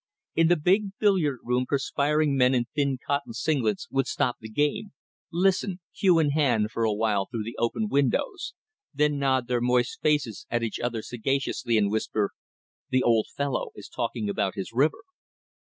In the big billiard room perspiring men in thin cotton singlets would stop the game, listen, cue in hand, for a while through the open windows, then nod their moist faces at each other sagaciously and whisper: "The old fellow is talking about his river."